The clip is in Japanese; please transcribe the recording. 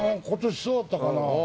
ことしそうだったかな。